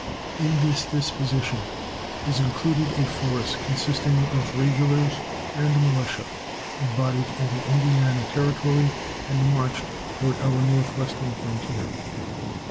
In this disposition is included a force consisting of regulars and militia, embodied in the Indiana Territory and marched toward our northwestern frontier.